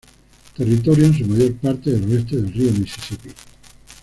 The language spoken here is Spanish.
Territorio en su mayor parte al oeste del río Misisipi.